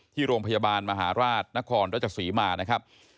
ที่โรงพยาบาลมหาราชนครรัชศรีมานะครับ